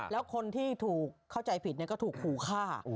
แล้วคนที่ถูกเข้าใจผิดก็ถูกขู่ฆ่า